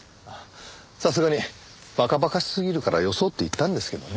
さすがに馬鹿馬鹿しすぎるからよそうって言ったんですけどね。